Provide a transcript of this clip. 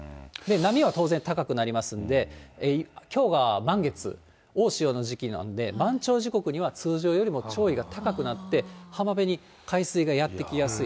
波は当然高くなりますんで、きょうが満月、大潮の時期なんで、満潮時刻には通常よりも潮位が高くなって、浜辺に海水がやって来やすい。